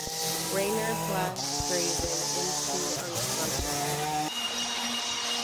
Rayner blasts Grayven into unconsciousness.